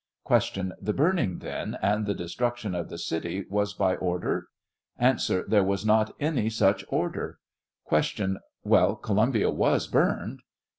Q, The burning, then, and the destruction of the city was by order ? A. There was not any such order. Q. Well, Columbia was burned?